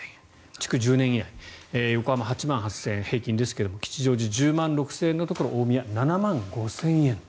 築１０年以内横浜８万８０００円、平均ですが吉祥寺１０万６０００円のところ大宮は７万５０００円。